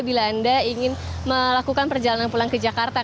bila anda ingin melakukan perjalanan pulang ke jakarta